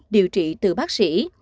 điều trị từ bác sĩ